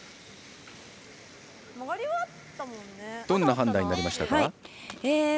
どんな判断になりましたか。